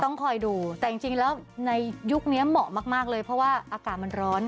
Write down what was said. ต้องคอยดูแต่จริงแล้วในยุคนี้เหมาะมากเลยเพราะว่าอากาศมันร้อน